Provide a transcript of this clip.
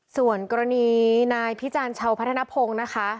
ส่วนกรณีนายพิจารณ์ชาวพัฒนภงนะคะ